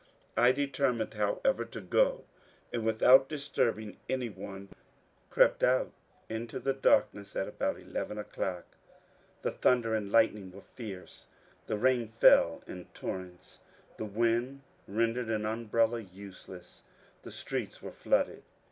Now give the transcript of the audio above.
I determined, however, to go, and without disturbing any one crept out into the darkness at about eleven o'clock. The thunder and lightning were fierce, the rain fell in torrents, the wind rendered an umbrella useless, the streets were flooded.